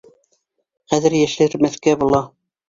Хәҙер йәшермәҫкә була.